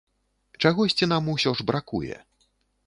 Чагосьці нам усё ж бракуе.